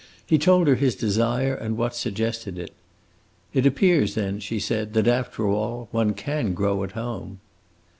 He told her his desire and what suggested it. "It appears, then," she said, "that, after all, one can grow at home!"